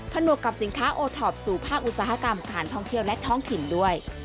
นวกกับสินค้าโอทอปสู่ภาคอุตสาหกรรมการท่องเที่ยวและท้องถิ่นด้วย